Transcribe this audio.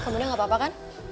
kamu udah nggak apa apa kan